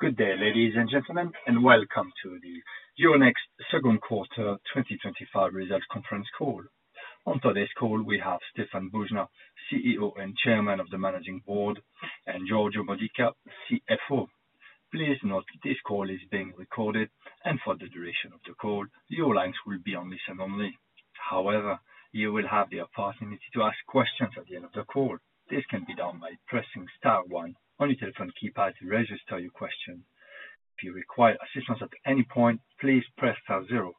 Good day, ladies and gentlemen, and welcome to the Euronext Second Quarter 2025 Results Conference Call. On today's call, we have Stéphane Boujnah. CEO and Chairman of the Managing Board and Giorgio Modica, CFO. Please note this call is being recorded, and for the duration of the call your lines will be on listen only. However, you will have the opportunity to ask questions at the end of the call. This can be done by pressing star one on your telephone keypad to register your question. If you require assistance at any point, please press star zero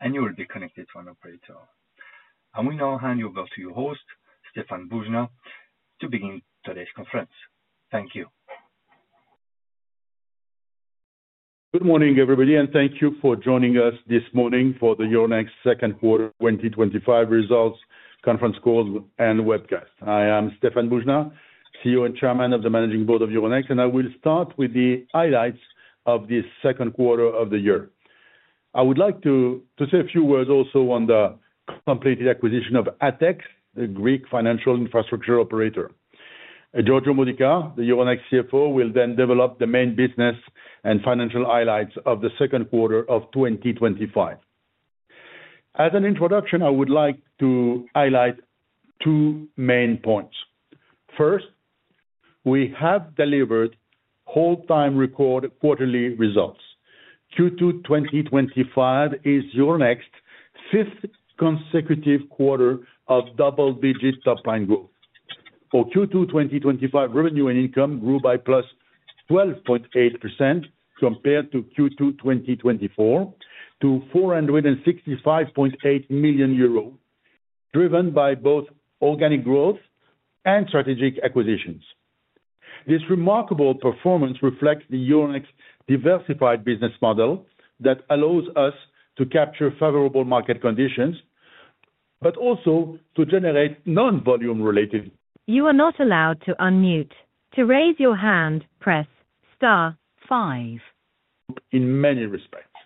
and you will. Be connected to an operator, and we. Now hand your bell to your host Stéphane Boujnah to begin today's conference. Thank you. Good morning everybody and thank you for joining us this morning for the Euronext Second Quarter 2025 Results Conference Call and Webcast. I am Stéphane Boujnah, CEO and Chairman of the Managing Board of Euronext, and I will start with the highlights of the second quarter of the year. I would like to say a few words also on the completed acquisition of ATHEX, the Greek financial infrastructure operator. Giorgio Modica, the Euronext CFO, will then develop the main business and financial highlights of the second quarter of 2025. As an introduction, I would like to highlight two main points. First, we have delivered all-time record quarterly results. Q2 2025 is Euronext's fifth consecutive quarter of double-digit top-line growth. For Q2 2025, revenue and income grew by +12.8% compared to Q2 2024 to 465.8 million euros, driven by both organic growth and strategic acquisitions. This remarkable performance reflects the Euronext diversified business model that allows us to capture favorable market conditions but also to generate non-volume related. You are not allowed to unmute. To raise your hand, press star five. In many respects,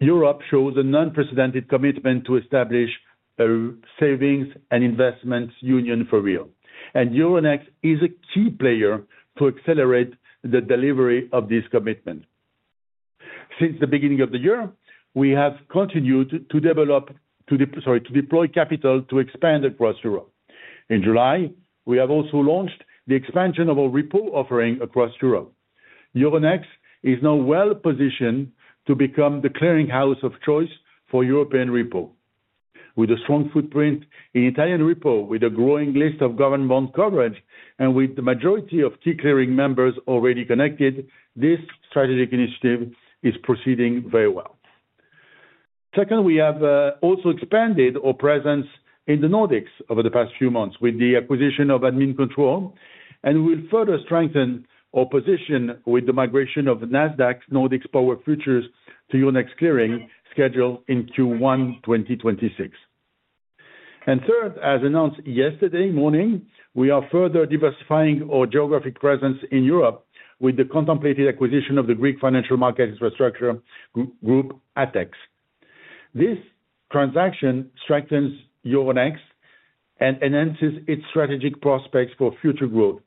Europe shows an unprecedented commitment to establish a savings and investment union for real, and Euronext is a key player to accelerate the delivery of this commitment. Since the beginning of the year, we have continued to develop, to deploy capital, to expand across Europe. In July, we have also launched the expansion of our repo offering across Europe. Euronext is now well positioned to become the clearinghouse of choice for European repo. With a strong footprint in Italian repo, with a growing list of government bond coverage, and with the majority of key clearing members already connected, this strategic initiative is proceeding very well. Second, we have also expanded our presence in the Nordics over the past few months with the acquisition of Admincontrol and will further strengthen our position with the migration of Nasdaq's Nordic power futures to Euronext Clearing, scheduled in Q1 2026. Third, as announced yesterday morning, we are further diversifying our geographic presence in Europe with the contemplated acquisition of the Greek financial market infrastructure group ATHEX. This transaction strengthens Euronext and enhances its strategic prospects for future growth.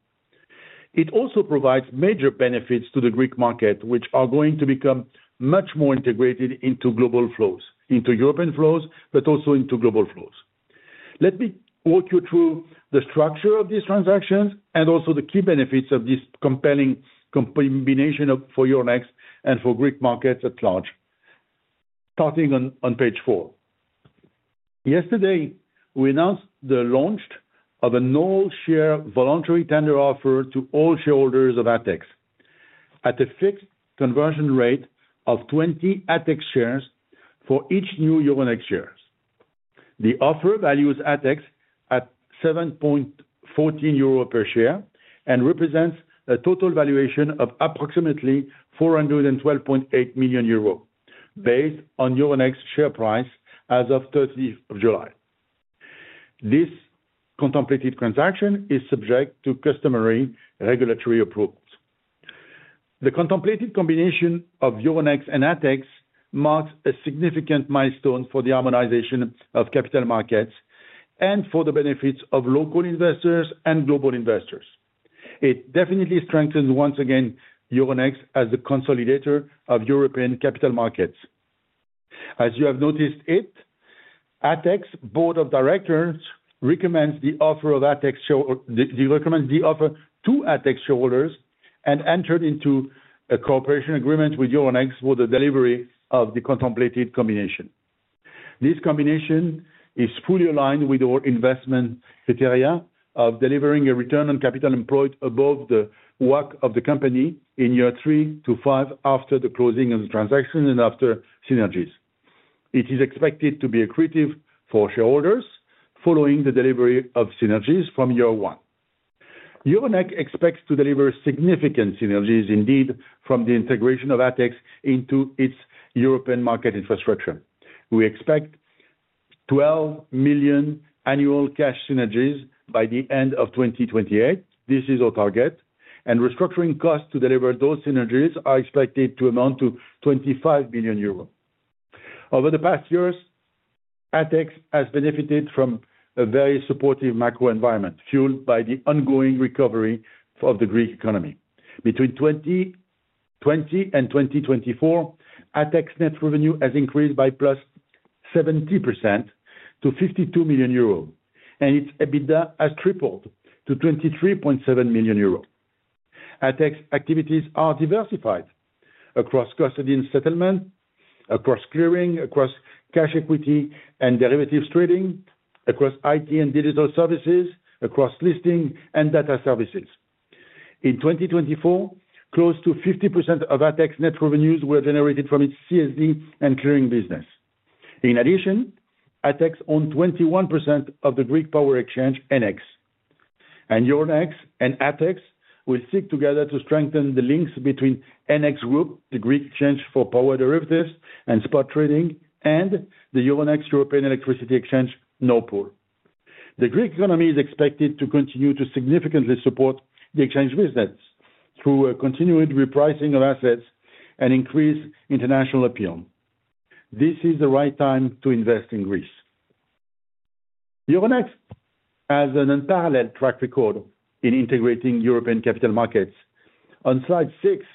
It also provides major benefits to the Greek market, which is going to become much more integrated into global flows, into European flows, but also into global flows. Let me walk you through the structure of these transactions and also the key benefits of this compelling combination for Euronext and for Greek markets at large. Starting on page four. Yesterday, we announced the launch of a no share voluntary tender offer to all shareholders of ATHEX at a fixed conversion rate of 20 ATHEX shares for each new Euronext share. The offer values ATHEX at 7.14 euro per share and represents a total valuation of approximately 412.8 million euro based on Euronext share price as of 30 July. This contemplated transaction is subject to customary regulatory approvals. The contemplated combination of Euronext and ATHEX marks a significant milestone for the harmonization of capital markets and for the benefits of local investors and global investors. It definitely strengthens once again Euronext as the consolidator of European capital markets. As you have noticed, the ATHEX Board of Directors recommends the offer to ATHEX shareholders and entered into a cooperation agreement with Euronext for the delivery of the contemplated combination. This combination is fully aligned with our investment criteria of delivering a return on capital employed above the WACC of the company. In year three to five, after the closing of the transaction and after synergies, it is expected to be accretive for shareholders. Following the delivery of synergies from year one, Euronext expects to deliver significant synergies. Indeed, from the integration of ATHEX into its European market infrastructure, we expect 12 million annual cash synergies by the end of 2028. This is our target, and restructuring costs to deliver those synergies are expected to amount to 25 million euros. Over the past years, ATHEX has benefited from a very supportive macro environment fueled by the ongoing recovery of the Greek economy. Between 2020 and 2024, ATHEX net revenue has increased by +70% to 52 million euros, and its EBITDA has tripled to 23.7 million euros. ATHEX's activities are diversified across custodian settlement, across clearing, across cash, equity and derivatives trading, across IT and digital services, across listing and data services. In 2024, close to 50% of ATHEX's net revenues were generated from its CSD and clearing business. In addition, ATHEX owns 21% of the Greek Power Exchange EnEx. Euronext and ATHEX will seek together to strengthen the links between EnEx Group, the Greek exchange for power derivatives and spot trading, and the Euronext European Electricity Exchange Nord Pool. The Greek economy is expected to continue to significantly support the exchange business through a continued repricing of assets and increased international appeal. This is the right time to invest in Greece. Euronext has an unparalleled track record in integrating European capital markets. On slide six,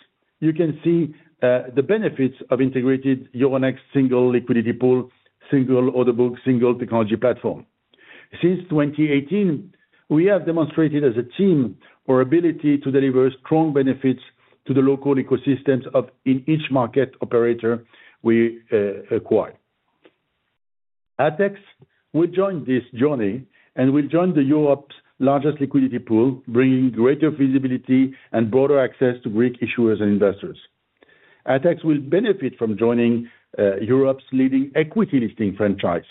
you can see the benefits of integrated Euronext: single liquidity pool, single order book, single technology platform. Since 2018, we have demonstrated as a team our ability to deliver strong benefits to the local ecosystems of each market operator we acquired. ATHEX will join this journey and will join Europe's largest liquidity pool, bringing greater visibility and broader access to Greek issuers and investors. ATHEX will benefit from joining Europe's leading equity listing franchise,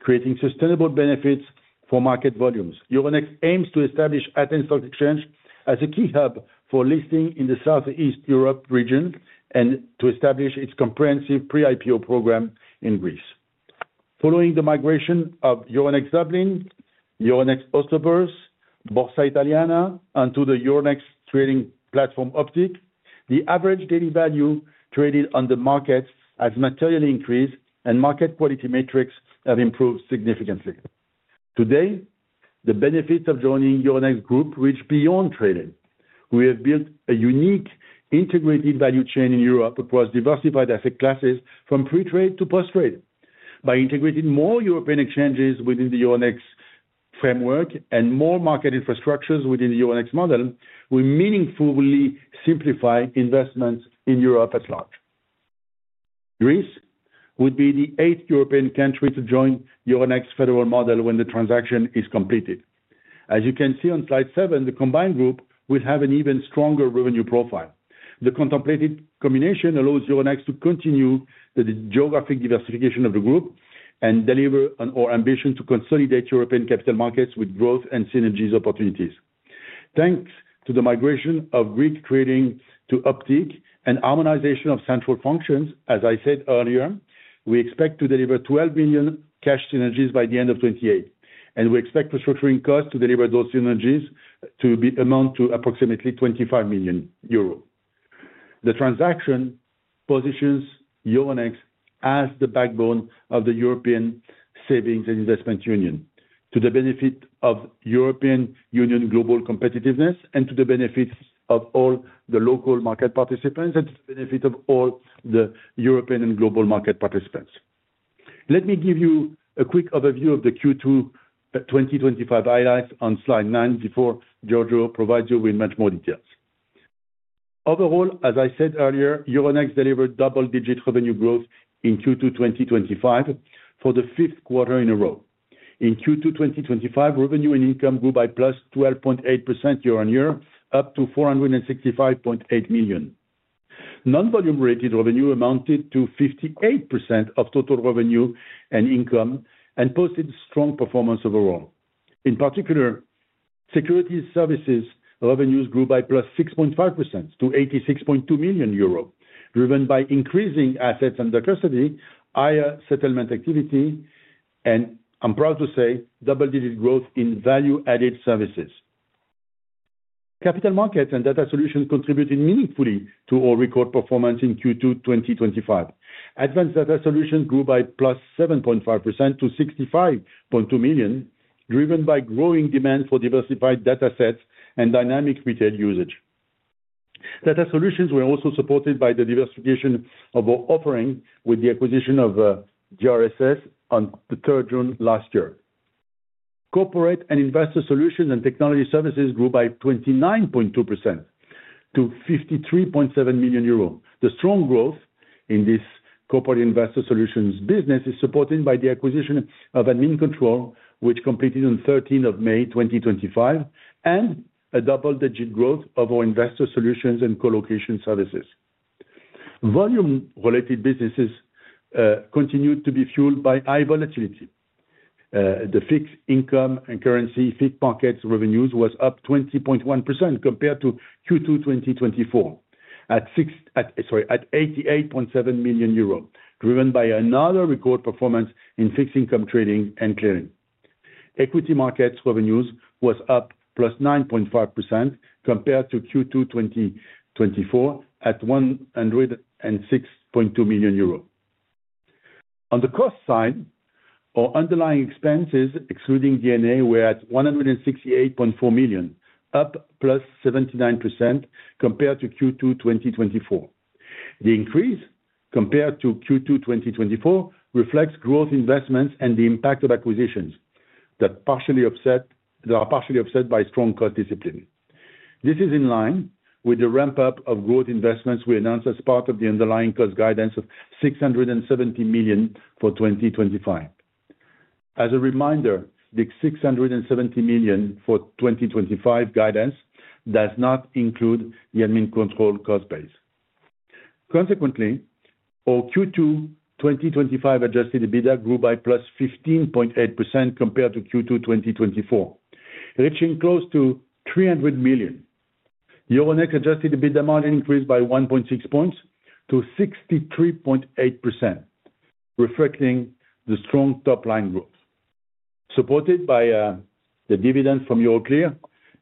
creating sustainable benefits for market volumes. Euronext aims to establish Athens Stock Exchange as a key hub for listing in the Southeast Europe region and to establish its comprehensive pre-IPO program in Greece. Following the migration of Euronext Dublin, Euronext Oslo Børs, Borsa Italiana, and to the Euronext trading platform Optiq, the average daily value traded on the market has materially increased and market quality metrics have improved significantly. Today, the benefits of joining Euronext Group reach beyond trading. We have built a unique integrated value chain in Europe across diversified asset classes from pre-trade to post-trade. By integrating more European exchanges within the Euronext framework and more market infrastructures within the Euronext model, we meaningfully simplify investments in Europe at large. Greece would be the eighth European country to join the Euronext federal model. When the transaction is completed, as you can see on slide seven, the combined group will have an even stronger revenue profile. The contemplated combination allows Euronext to continue the geographic diversification of the group and deliver on our ambition to consolidate European capital markets with growth and synergies opportunities thanks to the migration of Greek trading to Optiq and harmonization of central functions. As I said earlier, we expect to deliver 12 million annual cash synergies by the end of 2028 and we expect restructuring costs to deliver those synergies to amount to approximately 25 million euro. The transaction positions Euronext as the backbone of the European Savings and Investment Union to the benefit of European Union global competitiveness and to the benefits of all the local market participants and to the benefit of all the European and global market participants. Let me give you a quick overview of the Q2 2025 highlights on slide nine before Giorgio provides you with much more details. Overall, as I said earlier, Euronext delivered double-digit top-line growth in Q2 2025 for the fifth quarter in a row. In Q2 2025, revenue and income grew by +12.8% year-on-year up to 465.8 million. Non-volume related revenue amounted to 58% of total revenue and income and posted strong performance overall. In particular, Securities Services revenues grew by +6.5% to 86.2 million euro, driven by increasing assets under custody, higher settlement activity, and I'm proud to say double-digit growth in value-added services. Capital Markets and Data Solutions contributed meaningfully to our record performance in Q2 2025. Advanced Data Solutions grew by +7.5% to 65.2 million, driven by growing demand for diversified data sets and dynamic retail usage. Data Solutions were also supported by the diversification of our offering with the acquisition of GRSS on 3rd June last year. Corporate and Investor Solutions and Technology Services grew by 29.2% to EUR 53.7 million. The strong growth in this Corporate Investor Solutions business is supported by the acquisition of Admincontrol, which completed on 13th May 2025, and a double-digit growth of our investor solutions and colocation services. Volume-related businesses continued to be fueled by high volatility. The fixed income and currency FICC market revenues was up 20.1% compared to Q2 2024 at 88.7 million euro, driven by another record performance in fixed income trading and clearing. Equity markets revenues was up +9.5% compared to Q2 2024 at 106.2 million euros. On the cost side, our underlying expenses excluding D&A were at 168.4 million, up +7.9% compared to Q2 2024. The increase compared to Q2 2024 reflects growth investments and the impact of acquisitions that are partially offset by strong cost discipline. This is in line with the ramp-up of growth investments we announced as part of the underlying cost guidance of 670 million for 2025. As a reminder, the 670 million for 2025 guidance does not include the Admincontrol cost base. Consequently, our Q2 2025 adjusted EBITDA grew by +15.8% compared to Q2 2024, reaching close to 300 million. Euronext adjusted EBITDA margin increased by 1.6 points to 63.8%, reflecting the strong top-line growth supported by the dividend from Euroclear.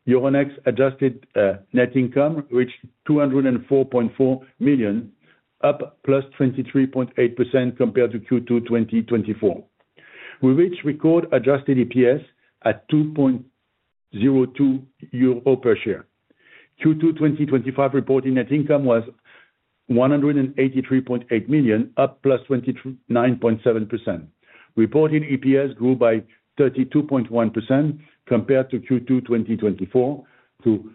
Euronext adjusted net income reached 204.4 million, up +23.8% compared to Q2 2024. We reached record adjusted EPS at 2.02 euro per share. Q2 2025 reported net income was 183.8 million, up +29.7%. Reported EPS grew by 32.1% compared to Q2 2024 to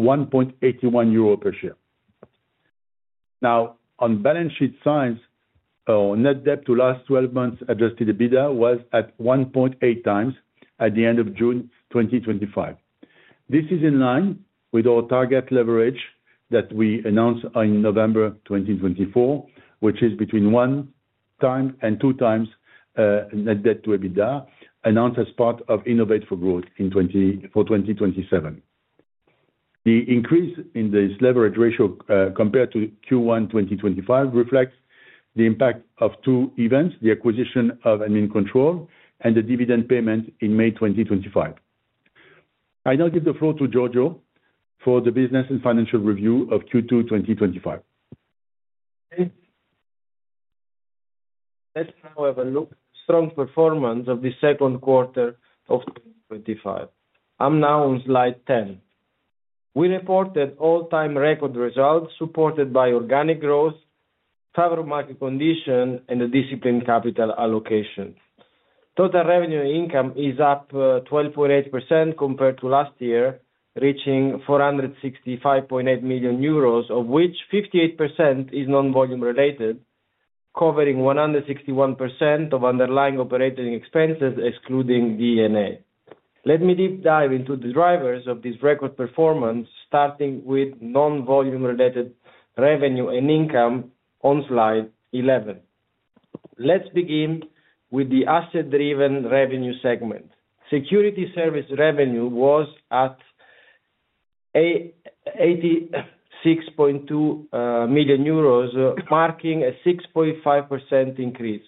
1.81 euro per share. Now on balance sheet signs, our net debt to last 12 months adjusted EBITDA was at 1.8x at the end of June 2025. This is in line with our target leverage that we announced in November 2024, which is between 1x and 2x net debt to EBITDA, announced as part of Innovate for Growth for 2027. The increase in this leverage ratio compared to Q1 2025 reflects the impact of two events, the acquisition of Admincontrol and the dividend payment in May 2025. I now give the floor to Giorgio for the business and financial review of Q2 2025. Let's now have a look at strong performance of the second quarter of 2025. I'm now on slide 10. We reported all-time record results supported by organic growth, favorable market condition, and disciplined capital allocation. Total revenue income is up 12.8% compared to last year, reaching 465.8 million euros, of which 58% is non-volume related, covering 161% of underlying operating expenses excluding D&A. Let me deep dive into the drivers of this record performance, starting with non-volume related revenue and income on slide 11. Let's begin with the asset-driven revenue segment. Securities Services revenue was at 86.2 million euros, marking a 6.5% increase.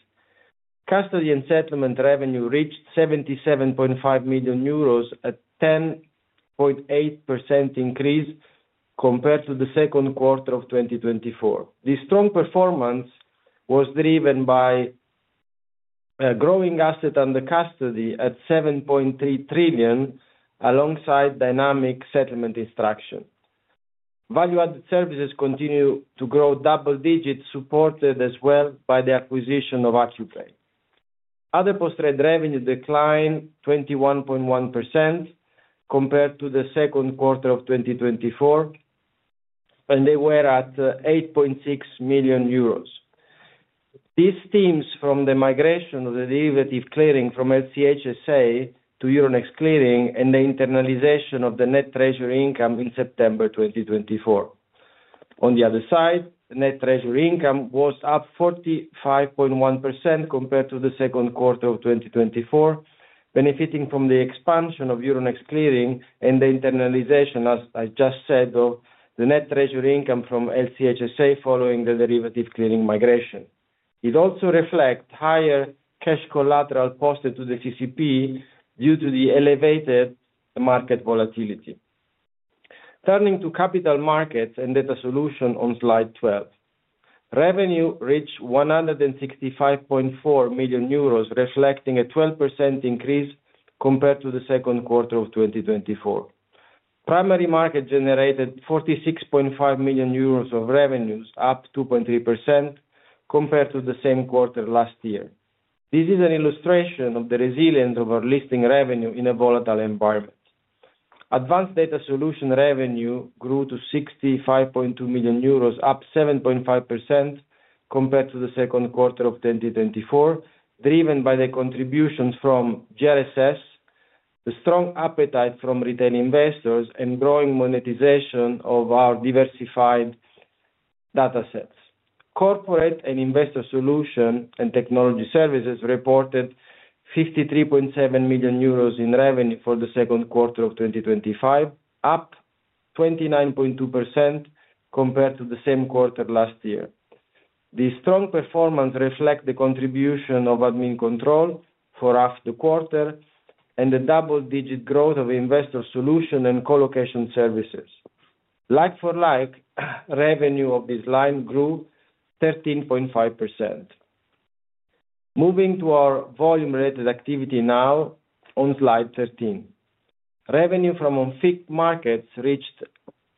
Custody & Settlement revenue reached 77.5 million euros, a 10.8% increase compared to the second quarter of 2024. This strong performance was driven by a growing asset under custody at 7.3 trillion alongside dynamic settlement instruction. Value-added services continue to grow double digits, supported as well by the acquisition of Acupay. Other Post Trade revenue declined 21.1% compared to the second quarter of 2024, and they were at 8.6 million euros. This stems from the migration of the derivative clearing from LCH SA to Euronext Clearing and the internalization of the net treasury income in September 2024. On the other side, net treasury income was up 45.1% compared to the second quarter of 2024, benefiting from the expansion of Euronext Clearing and the internalization, as I just said, of the net treasury income from LCH SA following the derivative clearing migration. It also reflects higher cash collateral posted to the CCP due to the elevated market volatility. Turning to Capital Markets and Data Solutions on slide 12, revenue reached 165.4 million euros, reflecting a 12% increase compared to the second quarter of 2024. Primary market generated 46.5 million euros of revenues, up 2.3% compared to the same quarter last year. This is an illustration of the resilience of our listing revenue in a volatile environment. Advanced Data Solution revenue grew to 65.2 million euros, up 7.5% compared to the second quarter of 2024, driven by the contributions from GRSS, the strong appetite from retained investors, and growing monetization of our diversified data sets. Corporate and Investor Solutions and Technology Services reported 53.7 million euros in revenue for the second quarter of 2025, up 29.2% compared to the same quarter last year. The strong performance reflects the contribution of Admincontrol for half the quarter and the double-digit growth of investor solution and colocation services. Like-for-like, revenue of this line grew 13.5%. Moving to our volume-related activity now on slide 13, revenue from FICC markets reached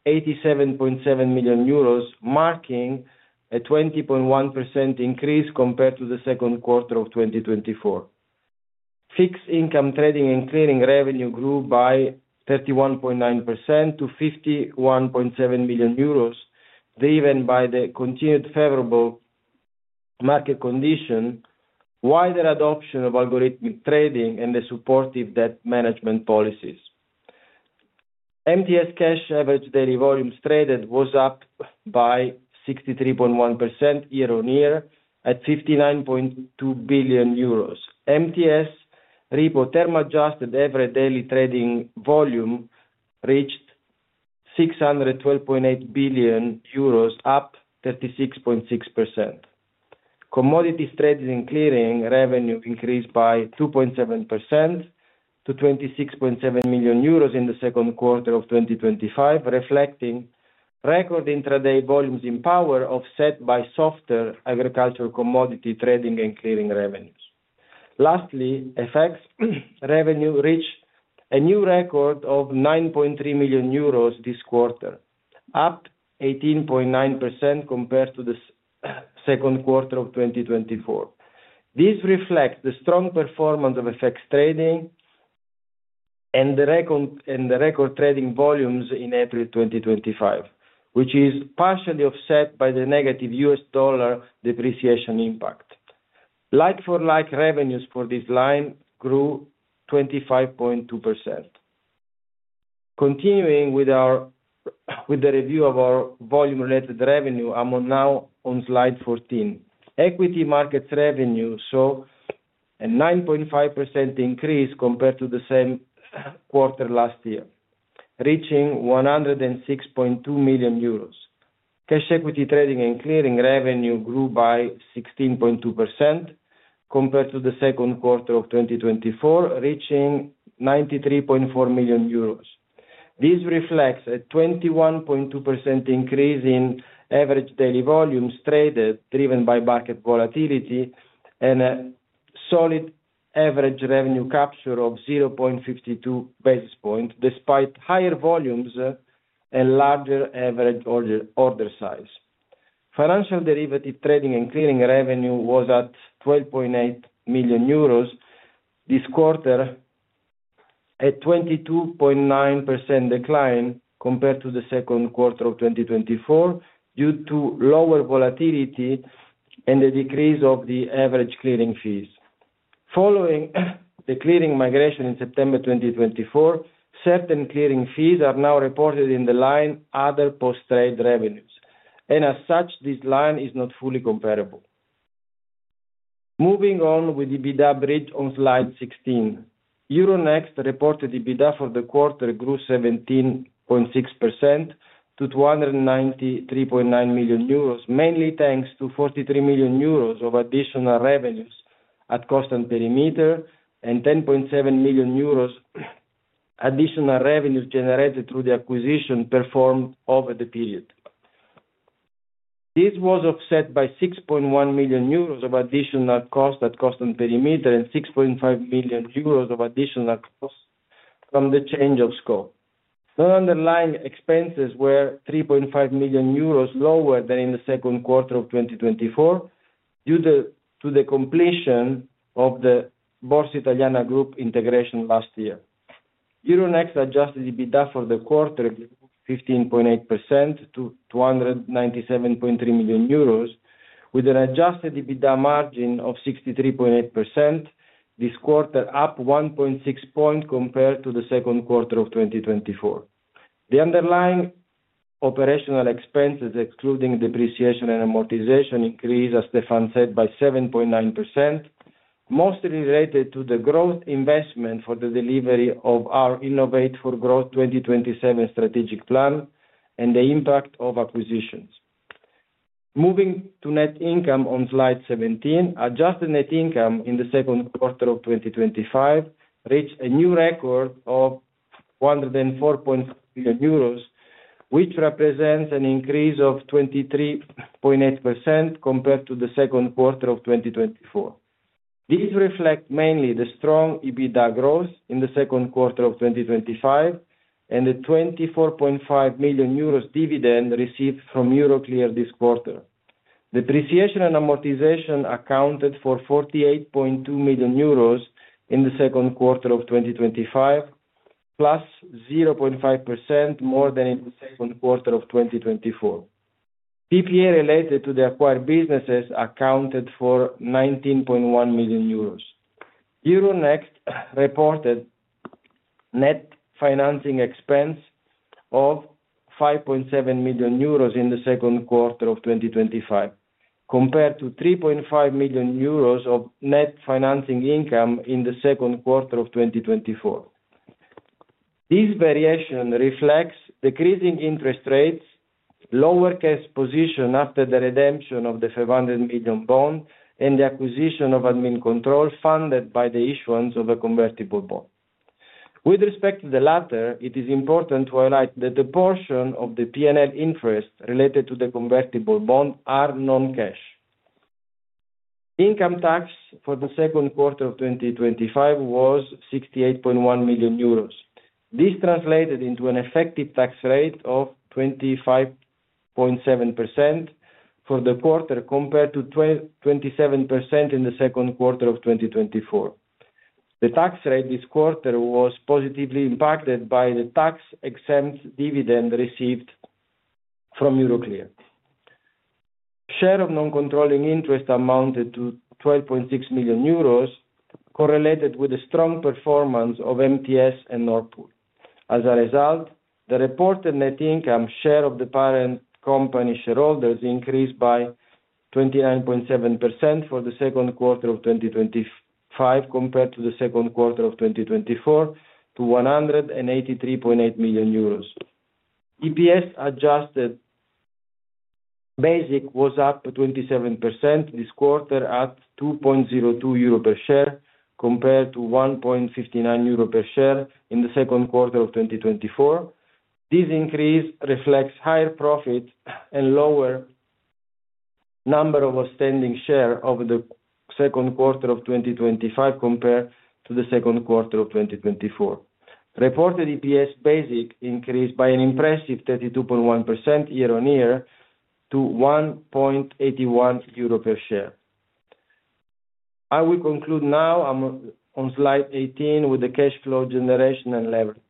87.7 million euros, marking a 20.1% increase compared to the second quarter of 2024. Fixed income trading and clearing revenue grew by 31.9% to 51.7 million euros, driven by the continued favorable market conditions, wider adoption of algorithmic trading, and the supportive debt management policies. MTS Cash average daily volumes traded was up by 63.1% year-on-year at 59.2 billion euros. MTS repo term adjusted average daily trading volume reached EUR 612.8 billion, up 36.6%. Commodities trading clearing revenue increased by 2.7% to 26.7 million euros in the second quarter of 2025, reflecting record intraday volumes in power offset by softer agricultural commodity trading and clearing revenues. Lastly, FX revenue reached a new record of 9.3 million euros this quarter, up 18.9% compared to the second quarter of 2024. This reflects the strong performance of FX trading and the record trading volumes in April 2025, which is partially offset by the negative U.S. dollar depreciation impact. Like-for-like, revenues for this line grew 25.2%. Continuing with the review of our volume-related revenue, I'm now on slide 14. Equity Markets revenue saw a 9.5% increase compared to the same quarter last year, reaching 106.2 million euros. Cash equity trading and clearing revenue grew by 16.2% compared to the second quarter of 2024, reaching 93.4 million euros. This reflects a 21.2% increase in average daily volumes traded driven by market volatility and a solid average revenue capture of 0.52 basis points. Despite higher volumes and larger average order size, financial derivative trading and clearing revenue was at 12.8 million euros this quarter, a 22.9% decline compared to the second quarter of 2024 due to lower volatility and the decrease of the average clearing fees following the clearing migration in September 2024. Certain clearing fees are now reported in the line other post-trade revenues and as such this line is not fully comparable. Moving on with EBITDA bridge on slide 16, Euronext reported EBITDA for the quarter grew 17.6% to 293.9 million euros, mainly thanks to 43 million euros of additional revenues at cost and perimeter and 10.7 million euros additional revenues generated through the acquisition performed over the period. This was offset by 6.1 million euros of additional cost at cost and perimeter and 6.5 million euros of additional cost from the change of scope. Non-underlying expenses were 3.5 million euros lower than in the second quarter of 2024 due to the completion of the Borsa Italiana Group integration last year. Euronext adjusted EBITDA for the quarter increased 15.8% to 297.3 million euros, with an adjusted EBITDA margin of 63.8% this quarter, up 1.6 points compared to the second quarter of 2024. The underlying operational expenses excluding depreciation and amortization increased, as Stéphane said, by 7.9%, mostly related to the growth investment for the delivery of our Innovate for Growth 2027 strategic plan and the impact of acquisitions. Moving to net income on slide 17, adjusted net income in the second quarter of 2025 reached a new record of 104.5 million euros, which represents an increase of 23.8% compared to the second quarter of 2024. These reflect mainly the strong EBITDA growth in the second quarter of 2025 and the 24.5 million euros dividend received from Euroclear this quarter. Depreciation and amortization accounted for 48.2 million euros in the second quarter of 2025, +0.5% more than in the second quarter of 2024. PPA related to the acquired businesses accounted for 19.1 million euros. Euronext reported net financing expense of 5.7 million euros in the second quarter of 2025 compared to 3.5 million euros of net financing income in the second quarter of 2024. This variation reflects decreasing interest rates, lower cash position after the redemption of the 500 million bond and the acquisition of Admincontrol funded by the issuance of a convertible bond. With respect to the latter, it is important to highlight that the portion of the P&L interest related to the convertible bond are non-cash. Income tax for the second quarter of 2025 was 68.1 million euros. This translated into an effective tax rate of 25.7% for the quarter compared to 27% in the second quarter of 2024. The tax rate this quarter was positively impacted by the tax-exempt dividend received from Euroclear. Share of non-controlling interest amounted to 12.6 million euros, correlated with the strong performance of MTS and Nord Pool. As a result, the reported net income share of the parent company shareholders increased by 29.7% for the second quarter of 2025 compared to the second quarter of 2024 to 183.8 million euros. EPS adjusted basic was up 27% this quarter at 2.02 euro per share compared to 1.59 euro per share in the second quarter of 2024. This increase reflects higher profit and lower number of outstanding shares over the second quarter of 2025 compared to the second quarter of 2024. Reported EPS basic increased by an impressive 32.1% year-on-year to 1.81 euro per share. I will conclude now on slide 18 with the cash flow, generation and leverage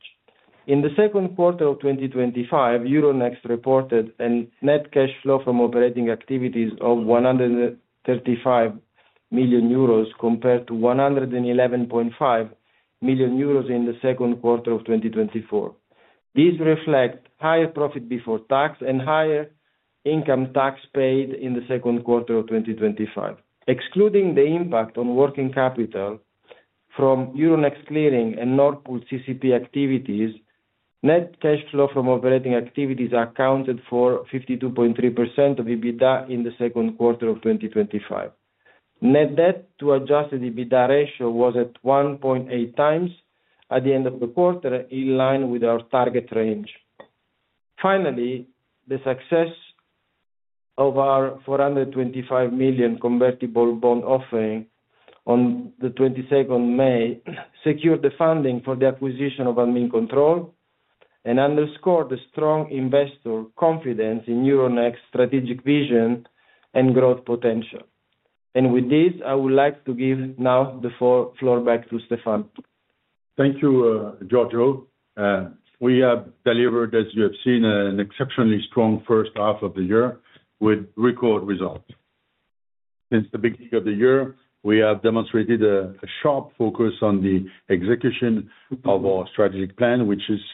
in the second quarter of 2025. Euronext reported a net cash flow from operating activities of 135 million euros compared to 111.5 million euros in the second quarter of 2024. These reflect higher profit before tax and higher income tax paid in the second quarter of 2025, excluding the impact on working capital from Euronext Clearing and Nord Pool CCP activities. Net cash flow from operating activities accounted for 52.3% of EBITDA in the second quarter of 2025. Net debt to adjusted EBITDA ratio was at 1.8x at the end of the quarter in line with our target range. Finally, the success of our 425 million convertible bond offering on 22nd May secured the funding for the acquisition of Admincontrol and underscored the strong investor confidence in Euronext strategic vision and growth potential. With this, I would like to give now the floor back to Stéphane. Thank you, Giorgio. We have delivered, as you have seen, an exceptionally strong first half of the year with record results. Since the beginning of the year, we have demonstrated a sharp focus on the execution of our strategic plan, which is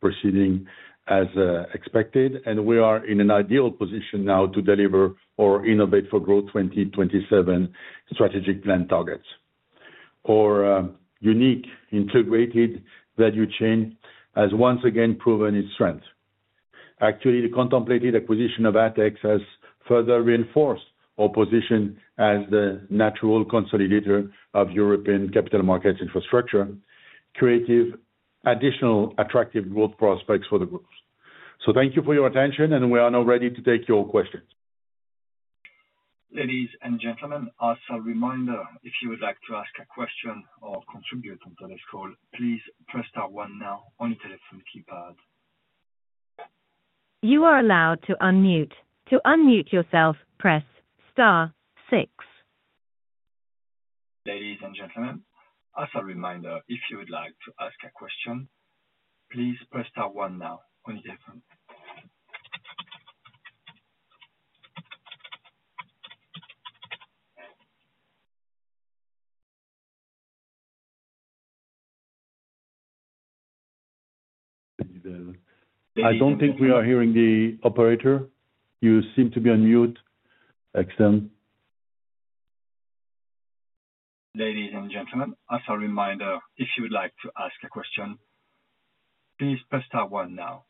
proceeding as expected, and we are in an ideal position now to deliver our Innovate for Growth 2027 strategic plan targets our unique integrated value chain, which has once again proven its strength. Actually, the contemplated acquisition of ATHEX has further reinforced our position as the natural consolidator of European capital markets infrastructure, creating additional attractive growth prospects for the group. Thank you for your attention, and we are now ready to take your questions. Ladies and gentlemen, as a reminder, if you would like to ask a question, please press star one on your telephone keypad. To contribute on today's call, please press. star one now on your telephone keypad, you are allowed to unmute. To unmute yourself, press star six. Ladies and gentlemen, as a reminder, if you would like to ask a question, please press star one now. Quite different. I don't think we are hearing the operator. You seem to be on mute. Excellent. Ladies and gentlemen, as a reminder, if you would like to ask a question, please press star one now.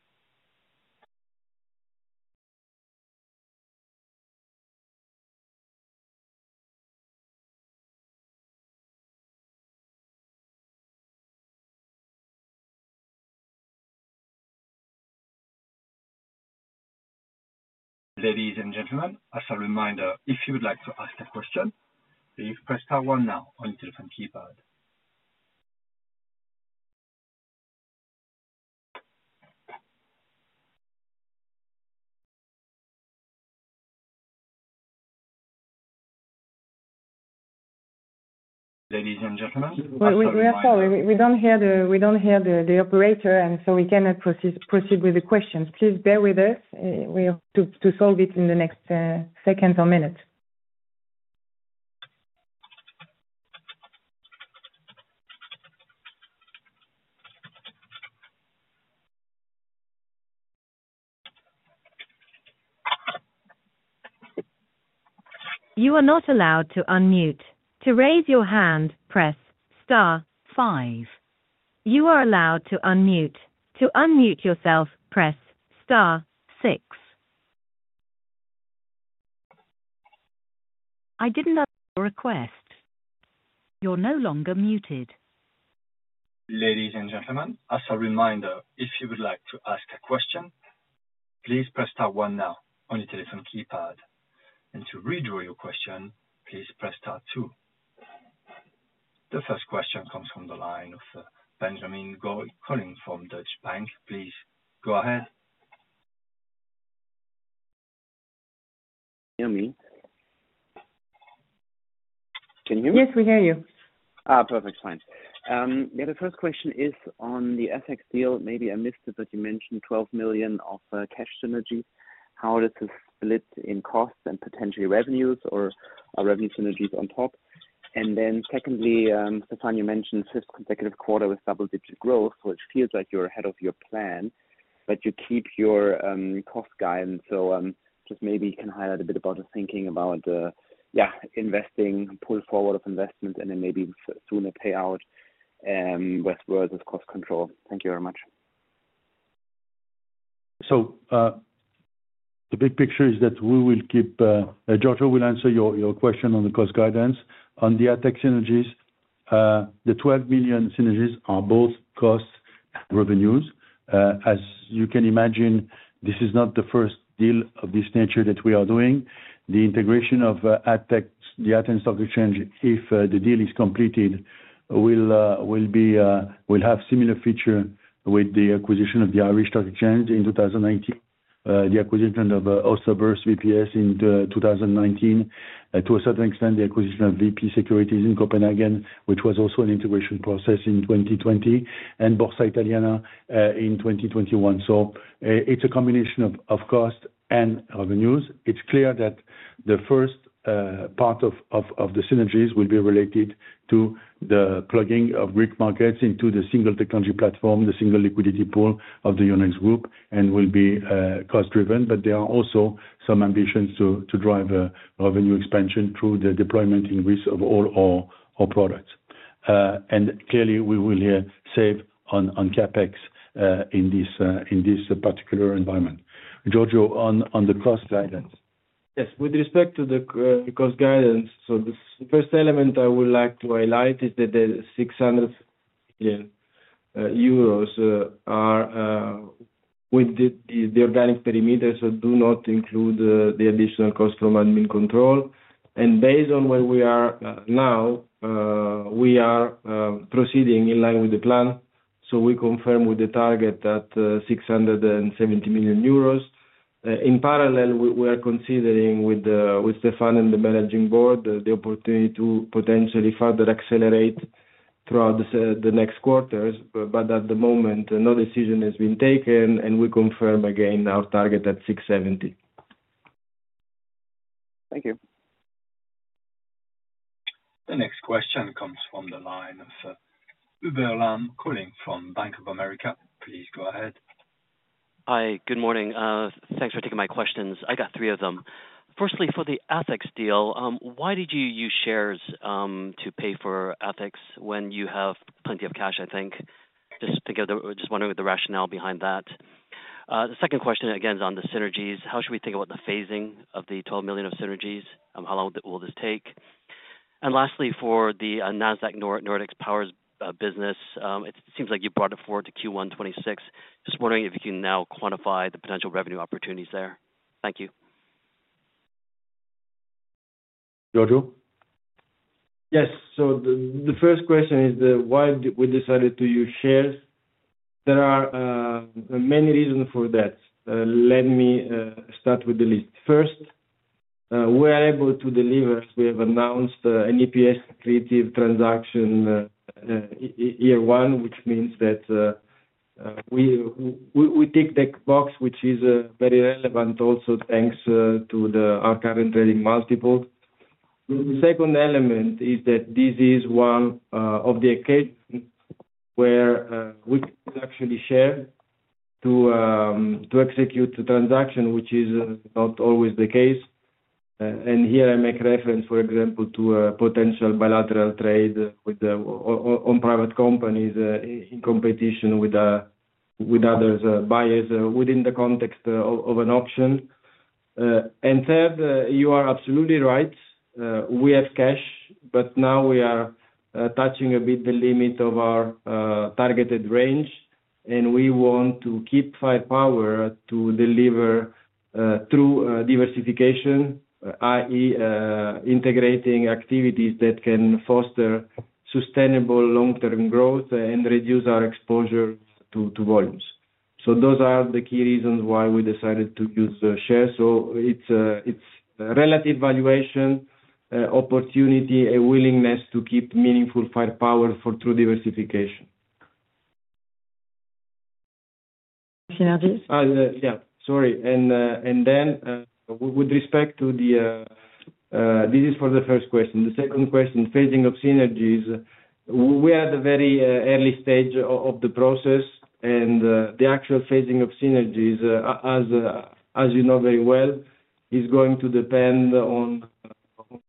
Ladies and gentlemen, as a reminder, if you would like to ask a question, you've pressed star one now on your telephone keypad. Ladies and gentlemen. We are sorry, we don't hear the operator and so we cannot proceed with the questions. Please bear with us. We have to solve it in the next seconds or minutes. You are not allowed to unmute. To raise your hand, press star five. You are allowed to unmute. To unmute yourself, press star six. I didn't open your request. You're no longer muted. Ladies and gentlemen, as a reminder, if you would like to ask a question, please press star one now on your telephone keypad. To redraw your question, please press star two. The first question comes from the line of Benjamin Goy calling from Deutsche Bank. Please go ahead. Hear me? Can you hear me? Yes, we hear you. Perfect, fine. The first question is on the ATHEX deal. Maybe I missed it, but you mentioned 12 million of cash synergies. How does this split in costs and potentially revenues? Are revenue synergies on top? Secondly, Stéphane, you mentioned fifth consecutive quarter with double-digit growth. It feels like you're ahead of your plan, but you keep your cost guidance. Maybe you can highlight a bit about the thinking about investing, pull. Forward of investments and then maybe sooner. Pay out westwards cost control. Thank you very much. The big picture is that we will keep. Giorgio will answer your question on the cost guidance on the ATHEX synergies. The 12 million synergies are both cost revenues. As you can imagine, this is not the first deal of this nature that we are doing. The integration of the ATHEX the Athens Stock Exchange, if the deal is completed. Will. Have similar feature with the acquisition of the Irish Stock Exchange in 2019, the acquisition of Oslo Børs VPS in 2019, to a certain extent, the acquisition of VP Securities in Copenhagen, which was also an integration process in 2020, and Borsa Italiana in 2021. It's a combination of cost and revenues. It's clear that the first part of the synergies will be related to the plugging of Greek markets into the single technology platform, the single liquidity pool of the Euronext Group, and will be cost driven. There are also some ambitions to drive revenue expansion through the deployment in Greece. Of all our products. We will clearly save on CapEx in this particular environment. Giorgio, on the cost guidance? Yes, with respect to the cost guidance. The first element I would like to highlight is that the 600 million euros are with the organic perimeters and do not include the additional cost of Admincontrol. Based on where we are now, we are proceeding in line with the plan. We confirm the target at 670 million euros. In parallel, we are considering with Stéphane and the Managing Board the opportunity to potentially further accelerate throughout the next quarters. At the moment, no decision has been taken and we confirm again our target at 670 million. Thank you. The next question comes from the line of Hubert Lam calling from Bank of America. Please go ahead. Hi, good morning. Thanks for taking my questions. I got three of them. Firstly, for the ATHEX deal, why did you use shares to pay for ATHEX when you have plenty of cash? Just wondering the rationale behind that. The second question again is on the synergies. How should we think about the phasing of the 12 million of synergies? How long will this take? Lastly, for the Nasdaq’s Nordic power business, it seems like you brought it forward to Q1 2026. Just wondering if you can now quantify the potential revenue opportunities there. Thank you. Giorgio. Yes. The first question is why we decided to use shares. There are many reasons for that. Let me start with the list first. We are able to deliver. We have announced an EPS accretive transaction year one, which means that we ticked that box, which is very relevant also thanks to our current trading multiple. The second element is that this is one of the cases where we actually share to execute the transaction, which is not always the case. Here I make reference, for example, to potential bilateral trade on private companies in competition with other buyers within the context of an option. Third, you are absolutely right. We have cash, but now we are touching a bit the limit of our targeted range, and we want to keep firepower to deliver through diversification, that is, integrating activities that can foster sustainable long-term growth and reduce our exposure to volumes. Those are the key reasons why we decided to use shares. It is relative valuation opportunity, a willingness to keep meaningful firepower for true diversification. Sorry. With respect to the—this is for the first question. The second question, phasing of synergies. We are at the very early stage of the process, and the actual phasing of synergies, as you know very well, is going to depend on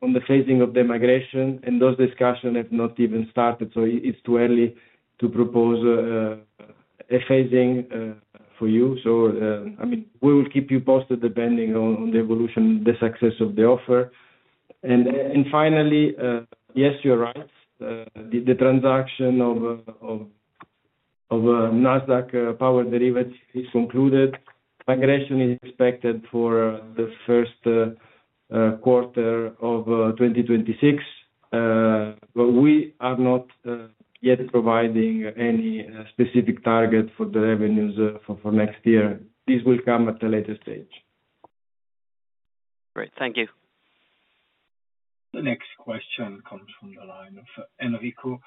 the phasing of the migration. Those discussions have not even started, so it's too early to propose a phasing for you. We will keep you posted depending on the evolution, the success of the offer. Finally, yes, you're right. The transaction of Nasdaq Power derivative is concluded. Migration is expected for the first quarter of 2026, but we are not yet providing any specific target for the revenues for next year. This will come at a later stage. Great, thank you. The next question comes from the line of Enrico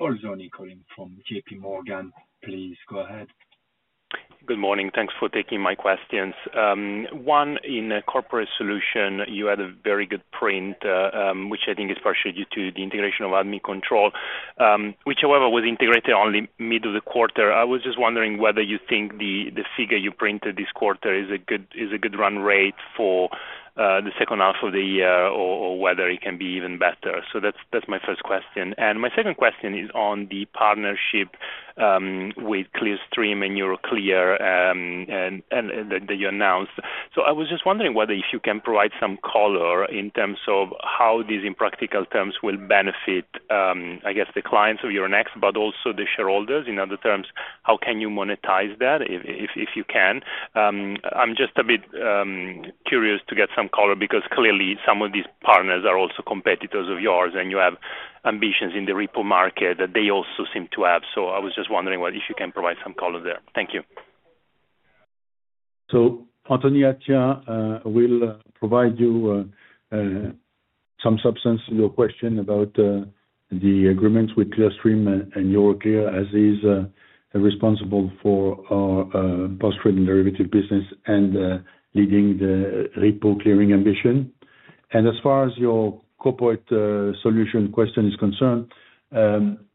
Bolzoni calling from JPMorgan. Please go ahead. Good morning. Thanks for taking my questions. One in Corporate Solution, you had a very good print, which I think is partially due to the integration of Admincontrol, which, however, was integrated only mid of the quarter. I was just wondering whether you think the figure you printed this quarter is a good run rate for the second half of the year or whether it can be even better. That's my first question, and my second question is on the partnership with Clearstream and Euroclear that you announced. I was just wondering whether if. Can you provide some color in terms of how these impractical terms will benefit, I guess, the clients of Euronext? Also the shareholders in other terms. How can you monetize that if you can? I'm just a bit curious to get. Some color, because clearly some of these. Partners are also competitors of yours. You have ambitions in the repo market that they also seem to have. I was just wondering if you. Can provide some color there. Thank you. Anthony Attia will provide you some substance to your question about the agreements with Clearstream and Euroclear. As is responsible for our post-trade and derivative business and leading the repo clearing ambition. As far as your Corporate Solution question is concerned,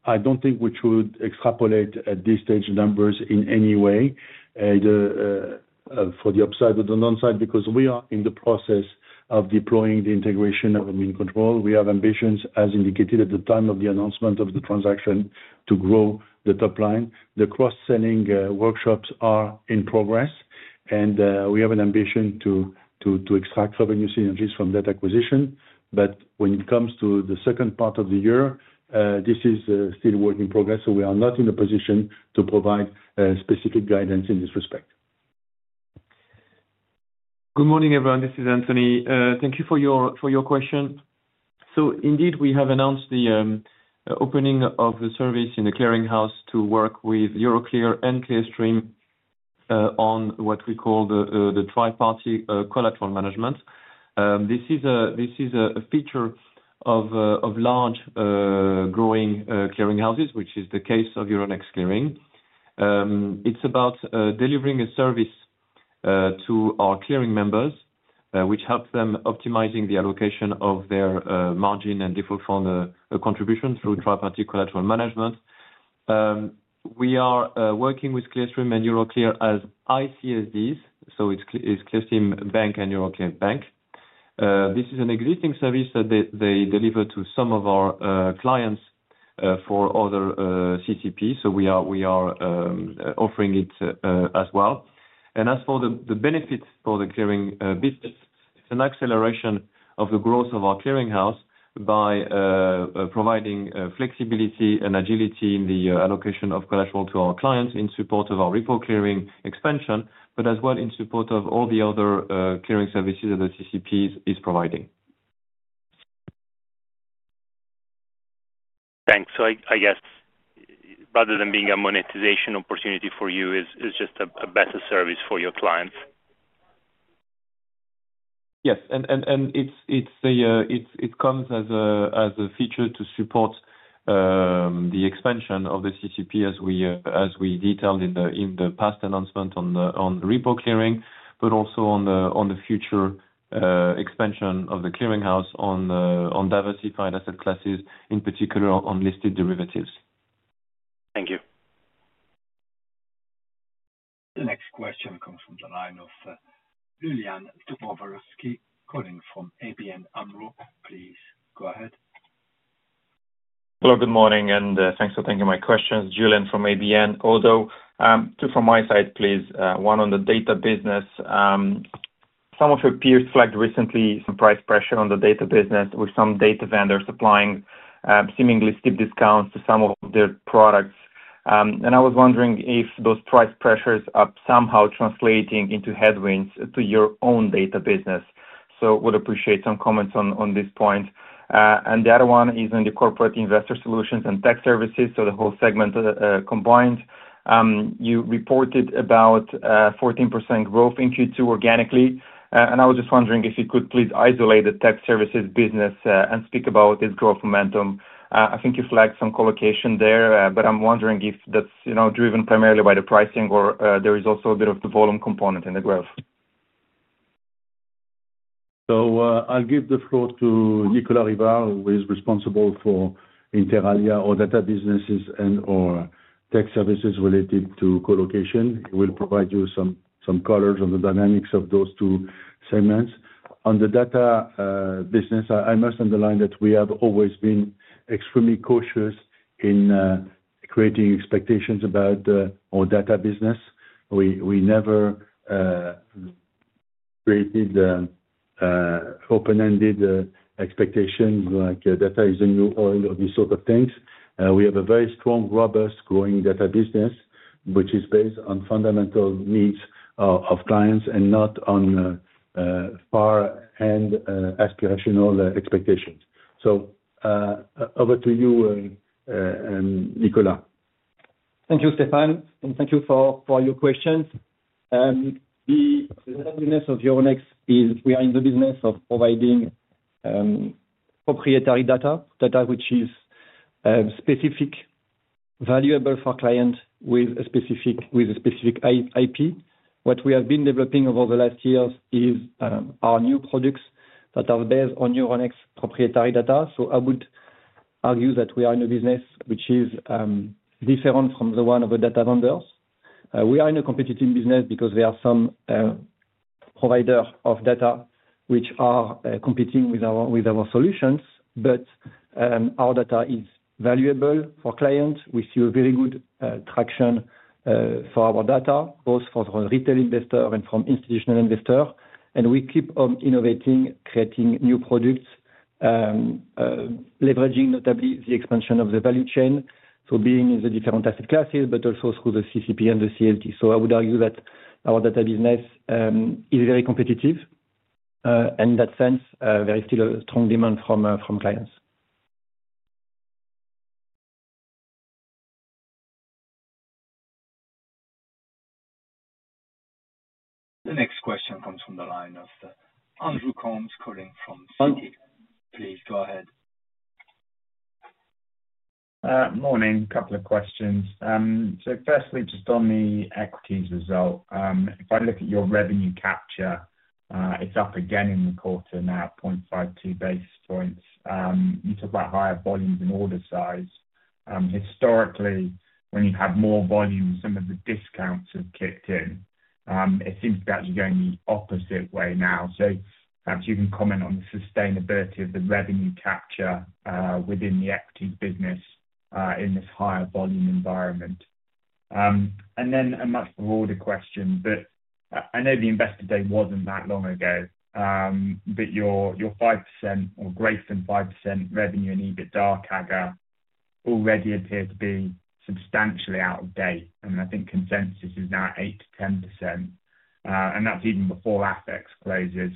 I don't think we should extrapolate at this stage numbers in any way either for the upside or the downside because we are in the process of deploying the integration of Admincontrol. We have ambitions, as indicated at the time of the announcement of the transaction, to grow the top line. The cross-selling workshops are in progress and we have an ambition to extract revenue synergies from that acquisition. When it comes to the second part of the year, this is still work-in-progress. We are not in a position to provide specific guidance in this respect. Good morning, everyone. This is Anthony. Thank you for your question. Indeed, we have announced the opening. Of the service in the clearinghouse to work with Euroclear and Clearstream on what we call the tri-party collateral management. This is a feature of large, growing clearinghouses, which is the case of Euronext Clearing. It's about delivering a service to our clearing members which helps them optimizing the allocation of their margin and default from the contribution through tri-party collateral management. We are working with Clearstream and Euroclear as ICSDs. So it's Clearstream Bank and Euroclear Bank. This is an existing service that they deliver to some of our clients for other CCPs, so we are offering it as well. As for the benefits for the clearing business, it's an acceleration of the. Growth of our clearinghouse by providing flexibility and agility in the allocation of collateral to our clients in support of our repo clearing expansion, as well as in support of all the other clearing services that the CCP is providing. Thanks. I guess rather than being a monetization opportunity for you, it's just a. Better service for your clients. Yes, it comes as a feature. To support the expansion of the CCP, as we detailed in the past announcement on the repo clearing, but also on the future expansion of the clearinghouse on diversified asset classes, in particular on listed derivatives. Thank you. The next question comes from the line of Julian Dobrovolschi calling from ABN AMRO. Please go ahead. Hello, good morning and thanks for taking my questions. Julian from ABN, although two from my side, please. One on the data business, some of. Your peers flagged recently some price pressure. On the data business with some data vendors applying seemingly steep discounts to some of their products, I was wondering if those price pressures upside down somehow translating into headwinds to your own data business. I would appreciate some comments on this point. The other one is in the Corporate Investor Solutions and Tech Services. The whole segment combined you reported. About 14% growth in Q2 organically. I was just wondering if you could please isolate the Tech Services business and speak about its growth momentum. I think you flagged some colocation there, but I'm wondering if that's driven primarily by the pricing or there is also a bit of the volume component in the growth. I'll give the floor to Nicolas Rivard, who is responsible for, inter alia, our data businesses and our tech services related to colocation. He will provide you some colors on the dynamics of those two segments. On the data business, I must underline that we have always been extremely cautious in creating expectations about our data business. We never created open-ended expectations like data is a new oil or these sort of things. We have a very strong, robust, growing data business which is based on fundamental needs of clients and not on far and aspirational expectations. Over to you, Nicolas. Thank you Stéphane and thank you for your questions. The business of Euronext is we are in the business of providing proprietary data, data which is specific, valuable for clients with a specific IP. What we have been developing over the last years is our new products that are based on Euronext proprietary data. I would argue that we are in a business which is different from the one of the data vendors. We are in a competitive business because there are some providers of data which are competing with our solutions. Our data is valuable for clients. We see a very good traction for our data both for retail investors and from institutional investors. We keep on innovating, creating new products, leveraging notably the expansion of the value chain. Being in the different asset classes. But also through the CCP and the CLT. I would argue that our data business is very competitive in that sense. There is still a strong demand from clients. The next question comes from the line of Andrew Coombs calling from Citi. Please go ahead. Morning. Couple of questions. Firstly, just on the equities result, if I look at your revenue capture, it's up again in the quarter now, 0.52 basis points. You talk about higher volumes and order size. Historically, when you have more volume, some of the discounts have kicked in. It seems to be actually going the opposite way now. Perhaps you can comment on the sustainability of the revenue capture within the equity business in this higher volume environment. Then a much broader question. I know the Investor Day wasn't that long ago, but your 5% or greater than 5% revenue and EBITDA CAGR already appear to be substantially out of date. I think consensus is now 8%-10% and that's even before ATHEX closes.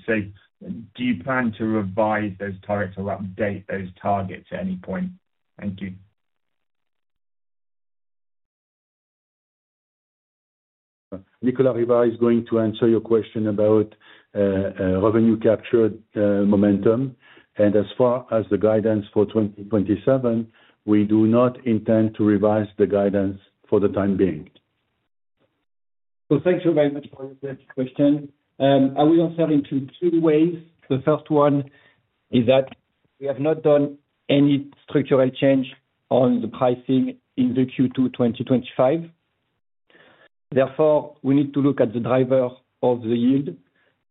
Do you plan to revise those? Targets or update those targets at any point? Thank you. Nicolas Rivard is going to answer your question about revenue captured momentum. As far as the guidance for 2027, we do not intend to revise the guidance for the time being. Thank you very much for your question. I will answer in two ways. The first one is that we have not done any structural change on the pricing in Q2 2025. Therefore, we need to look at the driver of the yield.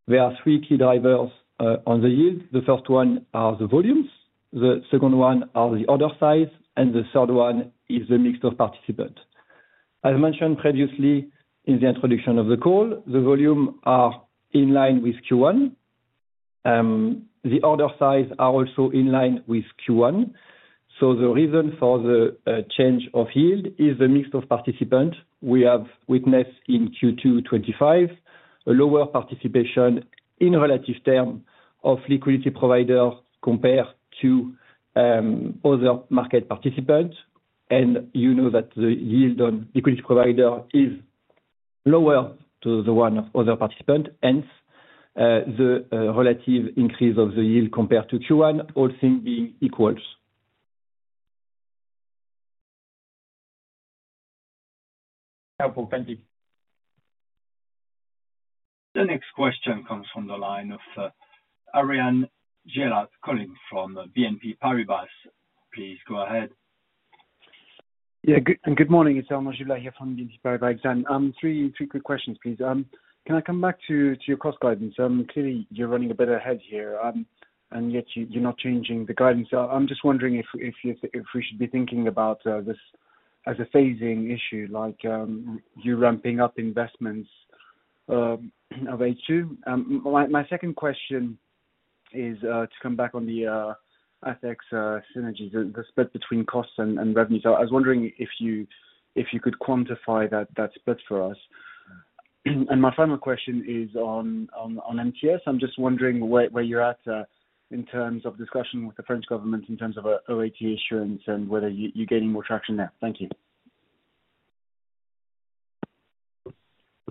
There are three key drivers on the yield. The first one is the volumes. The second one is the order size, and the third one is the mix of participants. As mentioned previously in the introduction of the call, the volume are in line with Q1. The order size are also in line with Q1. The reason for the change of. Yield is the mix of participants. We have witnessed in Q2 2025 a lower participation in relative terms of liquidity provider compared to other market participants. You know that the yield on liquidity provider is lower than the one of other participants, hence the relative increase of the yield compared to Q1, all things being equal. The next question comes from the line of Arnaud Giblat calling from BNP Paribas. Please go ahead. Good morning, it's Arnaud Giblat here from BNP Paribas. Three quick questions, please. Can I come back to your cost guidance? Clearly you're running a bit ahead here, and yet you're not changing the guidance. I'm just wondering if we should be thinking about this as a phasing issue, like you ramping up investments in H2. My second question is to come back on the ATHEX synergies, the split between costs and revenues. I was wondering if you could quantify that split for us. My final question is on MTS. I'm just wondering where you're at in terms of discussion with the French government in terms of OAT issuance and whether you're gaining more traction there. Thank you.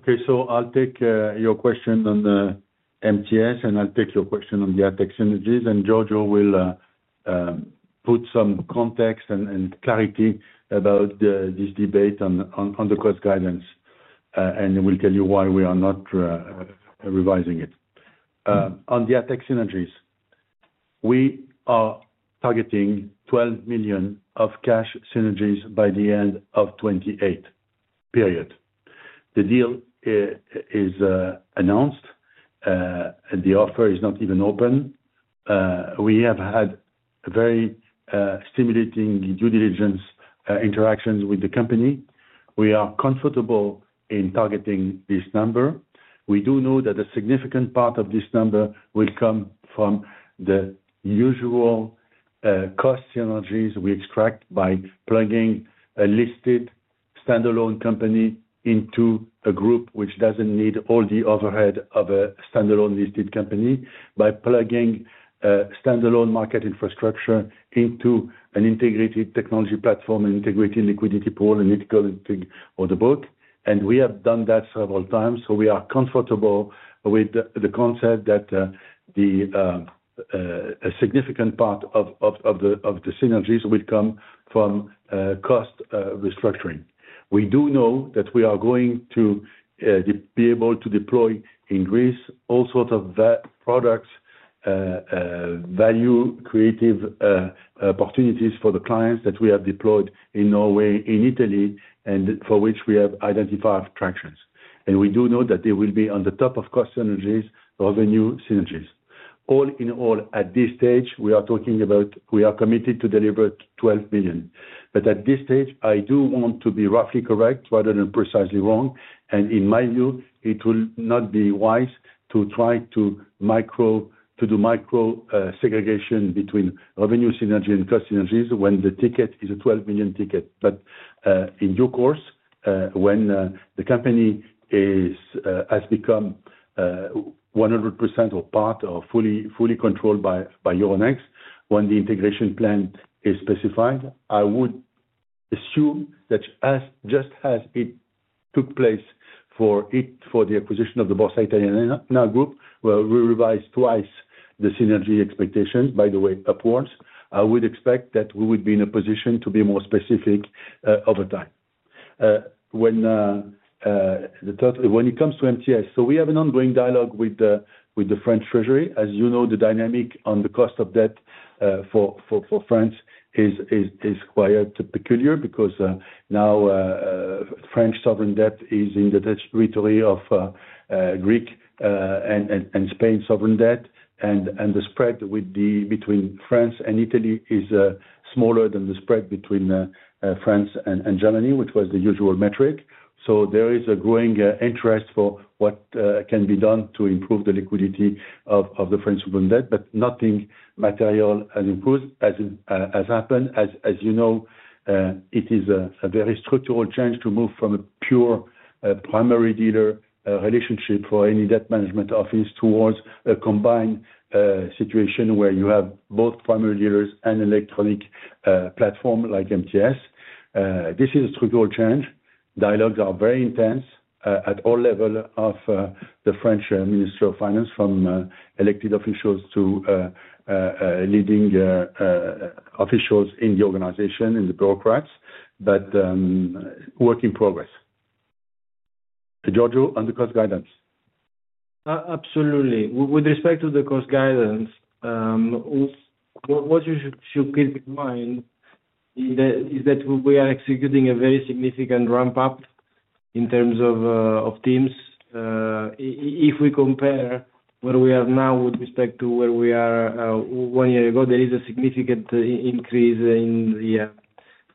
Okay, I'll take your question on MTS. I'll take your question on the ATHEX synergies, and Giorgio will put some context and clarity about this debate on the cost guidance, and we'll tell you why we are not revising it. On the ATHEX synergies, we are targeting 12 million of cash synergies by the. End of 28 period. The deal is announced and the offer is not even open. We have had very stimulating due diligence interactions with the company. We are comfortable in targeting this number. We do know that a significant part of this number will come from the usual cost synergies we extract by plugging a listed standalone company into a group which doesn't need all the overhead of a stand-alone listed company, by plugging stand-alone market infrastructure into an integrated technology platform, integrated liquidity pool and ethical order book, and we have done that several times so we are comfortable with the concept that a significant part of the synergies will come from cost restructuring. We do know that we are going to be able to deploy in Greece all sorts of products, value creative opportunities for the clients that we have deployed in Norway, in Italy, and for which we have identified tractions, and we do know that they will be on the top of cost synergies, revenue synergies. All in all, at this stage we are talking about, we are committed to deliver 12 billion. At this stage I do want to be roughly correct rather than precisely. Wrong, and in my view, it will. Not be wise to try to micro to do micro segregation between revenue synergy and cost synergies when the ticket is a 12 million ticket. In due course, when the company has become 100% or part or fully controlled by Euronext, when the integration plan is specified, I would assume that just as it took place for the acquisition of the Borsa Italiana Group where we revised twice the synergy expectations, by the way upwards, I would expect that we would be in a position to be more specific over time when it comes to MTS. We have an ongoing dialogue with the French Treasury. As you know, the dynamic on the cost of debt for France is quite peculiar because now French sovereign debt is in the territory of Greek and Spain's sovereign debt, and the spread between France and Italy is smaller than the spread between France and Germany, which was the usual metric. There is a growing interest for what can be done to improve the liquidity of the French sovereign debt. Nothing material has happened. As you know, it is a very structural change to move from a pure primary dealer relationship for any debt management office towards a combined situation where you have both primary dealers and an electronic platform like MTS. This is a struggle. Change dialogues are very intense at all levels of the French Minister of Finance, from elected officials to leading officials in the organization, in the bureaucrats, but work in progress. Giorgio, on the cost guidance. Absolutely. With respect to the cost guidance, what you should keep in mind is that we are executing a very significant ramp-up in terms of teams. If we compare where we are now with respect to where we are one year ago, there is a significant increase in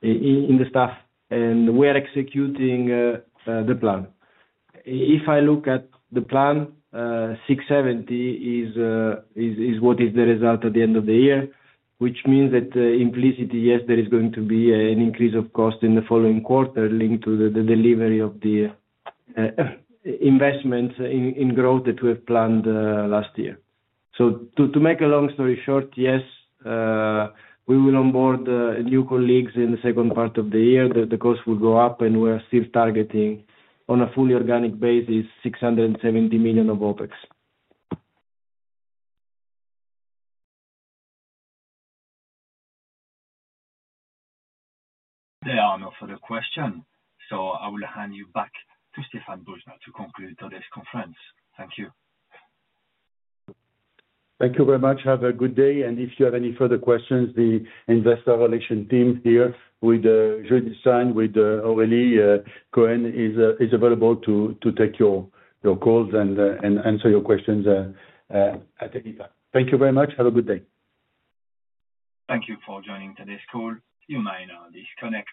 the staff and we are executing the plan. If I look at the plan, 670 million is what is the result at the end of the year, which means that implicitly, yes, there is going to be an increase of cost in the following quarter linked to the delivery of the investment in growth that we have planned last year. To make a long story short, yes, we will onboard new colleagues in the second part of the year. The cost will go up and we are still targeting, on a fully organic basis, 670 million of OpEx. There are no further questions. I will hand you back to Stéphane Boujnah to conclude today's conference. Thank you.. Thank you very much. Have a good day. If you have any further questions, the Investor Relations team here with Judith Stein with Aurélie Cohen is available to take your calls and answer your questions at any time. Thank you very much. Have a good day. Thank you for joining today's call. You may now disconnect.